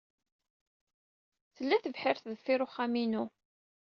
Tella tebḥirt deffir uxxam-inu.